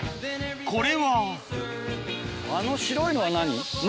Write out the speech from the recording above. これはあの白いのは何？